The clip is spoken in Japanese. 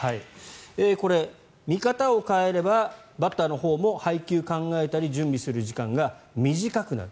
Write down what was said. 見方を変えればバッターのほうも配球を考えたり準備する時間が短くなる。